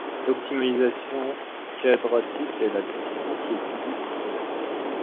L'optimisation quadratique est la discipline qui étudie ces problèmes.